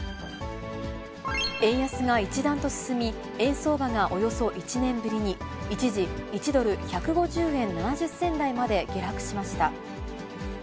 円安が一段と進み、円相場がおよそ１年ぶりに一時、１ドル１５０円７０銭台まで下落しました。